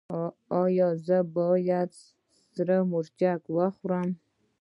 ایا زه باید سره مرچ وخورم؟